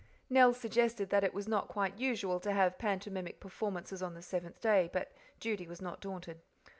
Nell suggested that it was not quite usual to have pantomimic performances on the seventh day, but Judy was not daunted.